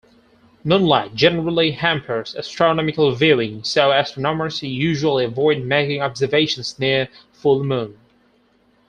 Moonlight generally hampers astronomical viewing, so astronomers usually avoid making observations near full Moon.